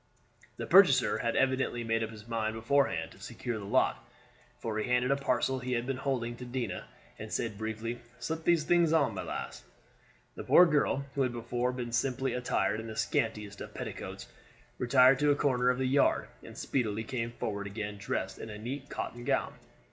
The purchaser had evidently made up his mind beforehand to secure the lot, for he handed a parcel he had been holding to Dinah, and said briefly, "Slip those things on, my lass." The poor girl, who had before been simply attired in the scantiest of petticoats, retired to a corner of the yard, and speedily came forward again dressed in a neat cotton gown.